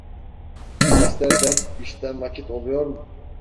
Derslerden, işten vakit oluyor mu?